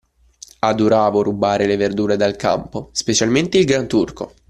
Adoravo rubare le verdure dal campo, specialmente il granturco.